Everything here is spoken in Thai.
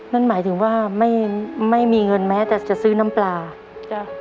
นั่นหมายถึงว่าไม่ไม่มีเงินแม้แต่จะซื้อน้ำปลาจ้ะ